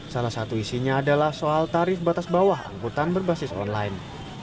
salah satu isinya adalah soal tarif batas bawah angkutan berbasis online